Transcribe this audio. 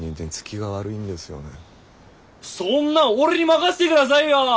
そんなん俺に任せてくださいよ。